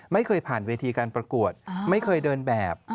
ไม่เคยผ่านเวทีการประกวดไม่เคยเดินแบบ